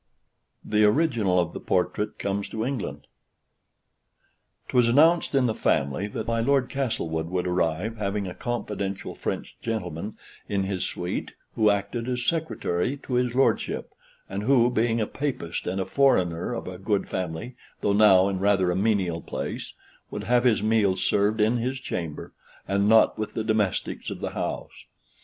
THE ORIGINAL OF THE PORTRAIT COMES TO ENGLAND. 'Twas announced in the family that my Lord Castlewood would arrive, having a confidential French gentleman in his suite, who acted as secretary to his lordship, and who, being a Papist, and a foreigner of a good family, though now in rather a menial place, would have his meals served in his chamber, and not with the domestics of the house.